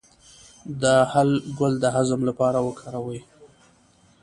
د هل ګل د هضم لپاره وکاروئ